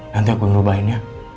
nanti aku yang ngerubahinnya